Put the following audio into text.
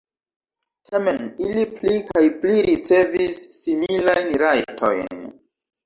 Tamen ili pli kaj pli ricevis similajn rajtojn.